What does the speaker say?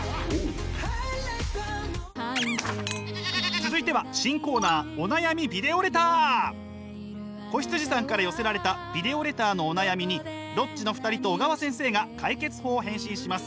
続いては新コーナー子羊さんから寄せられたビデオレターのお悩みにロッチの２人と小川先生が解決法を返信します。